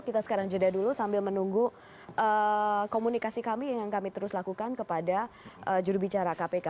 kita sekarang jeda dulu sambil menunggu komunikasi kami yang kami terus lakukan kepada jurubicara kpk